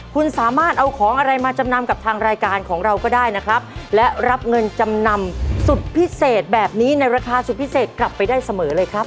คุณสามารถเอาของอะไรมาจำนำกับทางรายการของเราก็ได้นะครับและรับเงินจำนำสุดพิเศษแบบนี้ในราคาสุดพิเศษกลับไปได้เสมอเลยครับ